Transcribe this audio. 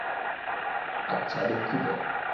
আচ্ছা, দুঃখিত।